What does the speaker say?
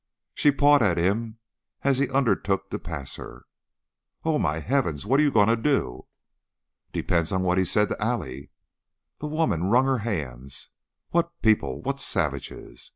She pawed at him as he undertook to pass her. "Oh, my heavens! What are you going to do?" "Depends on what he said to Allie." The woman wrung her hands. "What people! What savages!